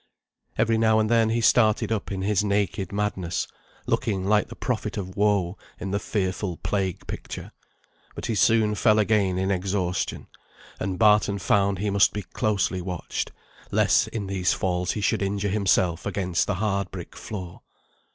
Every now and then he started up in his naked madness, looking like the prophet of woe in the fearful plague picture; but he soon fell again in exhaustion, and Barton found he must be closely watched, lest in these falls he should injure himself against the hard brick floor.